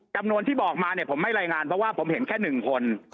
จำนวนที่บอกมาเนี่ยผมไม่รายงานเพราะว่าผมเห็นแค่๑คน